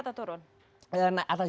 satu persen naik atau turun